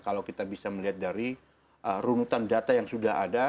kalau kita bisa melihat dari runutan data yang sudah ada